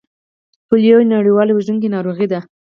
پولیو یوه نړیواله وژونکې ناروغي ده